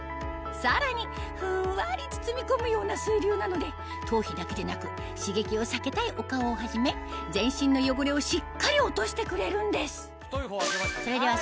さらにふんわり包み込むような水流なので頭皮だけでなく刺激を避けたいお顔をはじめ全身の汚れをしっかり落としてくれるんです